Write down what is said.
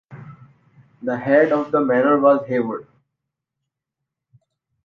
The head of the manor was Haywood.